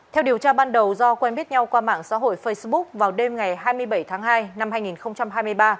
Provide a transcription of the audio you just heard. theo điều tra ban đầu do quen biết nhau qua mạng xã hội facebook vào đêm ngày hai mươi bảy tháng hai năm hai nghìn hai mươi ba